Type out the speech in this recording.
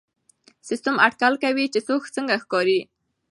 سیسټم اټکل کوي چې څوک څنګه ښکاري.